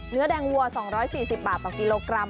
เนื้อแดงวัว๒๔๐บาทต่อกิโลกรัม